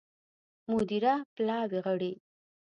مدیره پلاوي غړي